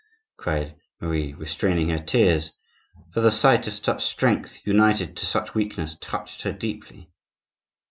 cried Marie, restraining her tears; for the sight of such strength united to such weakness touched her deeply.